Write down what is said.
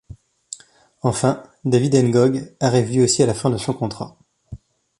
Enfin, David Ngog arrive lui aussi à la fin de son contrat.